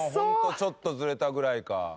ちょっとずれたぐらいか。